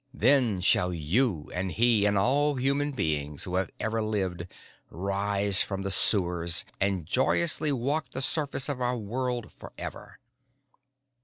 Then shall you and he and all human beings who have ever lived rise from the sewers and joyously walk the surface of our world forever.